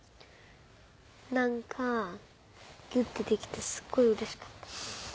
なんかギュッてできてすっごいうれしかった。